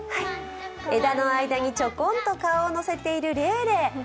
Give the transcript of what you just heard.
枝の間にちょこんと顔をのせているレイレイ。